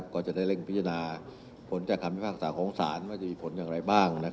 ก็จะได้เร่งพิจารณาผลจากคำพิพากษาของศาลว่าจะมีผลอย่างไรบ้าง